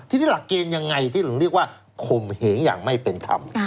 ทีนี้หลักเกณฑ์ยังไงที่เรียกว่าข่มเหงอย่างไม่เป็นธรรม